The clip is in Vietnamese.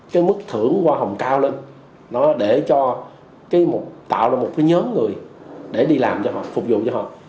cái mức thưởng hoa hồng cao lên nó để cho tạo ra một cái nhóm người để đi làm cho họ phục vụ cho họ